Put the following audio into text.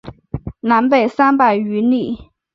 南北三百余里。